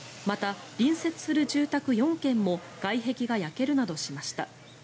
また、隣接する住宅４軒も外壁が焼けるなどしました。